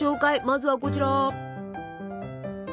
まずはこちら！